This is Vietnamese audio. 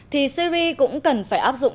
thì syria cũng cần phải áp dụng